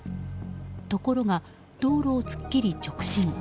ところが道路を突っ切り直進。